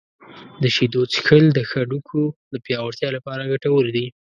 • د شیدو څښل د هډوکو د پیاوړتیا لپاره ګټور دي.